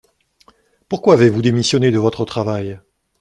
Pourquoi avez-vous démissionné de votre travail ?